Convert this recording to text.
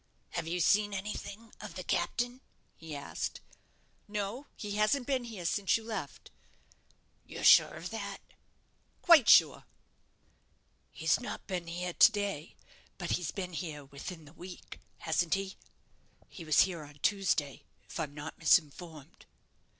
"Have you seen anything of the captain?" he asked. "No, he hasn't been here since you left." "You're sure of that?" "Quite sure." "He's not been here to day; but he's been here within the week, hasn't he? He was here on Tuesday, if I'm not misinformed."